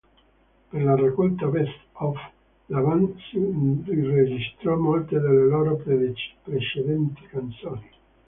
Per la raccolta "Best Of" la band ri-registrò molte delle loro precedenti canzoni.